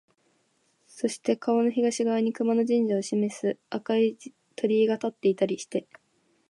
そして川の東側に熊野神社を示す赤い鳥居が立っていたりして、